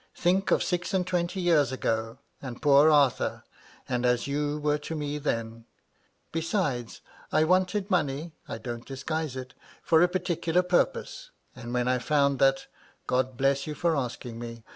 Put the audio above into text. Think of six and twenty years ago, and poor Arthur, and as you were to me then ! Be sides, I wanted money — ^I don't disguise it — for a particular purpose ; and when I found that (God bless you for asking me